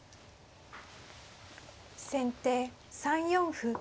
先手３四歩。